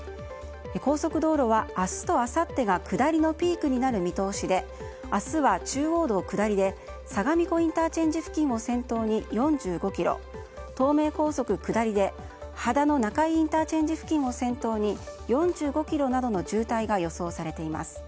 高速道路は明日とあさってが下りのピークになる見通しで明日は中央道下りで相模湖ＩＣ付近を先頭に４５ｋｍ東名高速下りで秦野中井ＩＣ付近を先頭に４５ｋｍなどの渋滞が予想されています。